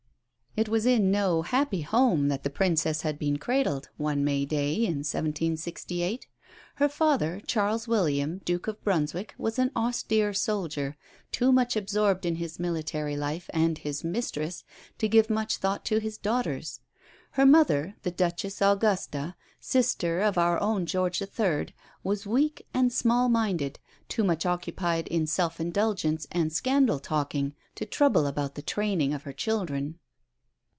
It was in no happy home that the Princess had been cradled one May day in 1768. Her father, Charles William, Duke of Brunswick, was an austere soldier, too much absorbed in his military life and his mistress, to give much thought to his daughters. Her mother, the Duchess Augusta, sister of our own George III., was weak and small minded, too much occupied in self indulgence and scandal talking to trouble about the training of her children.